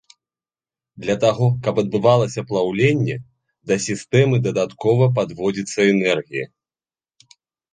Для таго, каб адбывалася плаўленне, да сістэмы дадаткова падводзіцца энергія.